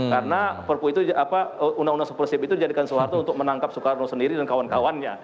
karena perpunya itu undang undang supersib itu dijadikan suatu untuk menangkap soekarno sendiri dan kawan kawannya